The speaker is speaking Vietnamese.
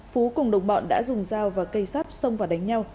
phú cùng đồng bọn đã dùng dao và cây sắt xông và đánh nhau